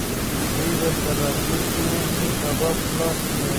دوی به تر راتلونکې میاشتې کتاب خلاص کړي.